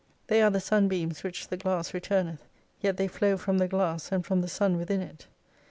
They are the sun beams which the glSiss returneth : yet they flow from the glass and from the Sun within it.